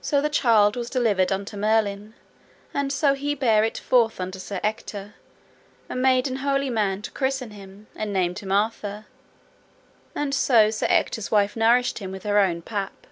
So the child was delivered unto Merlin, and so he bare it forth unto Sir Ector, and made an holy man to christen him, and named him Arthur; and so Sir Ector's wife nourished him with her own pap.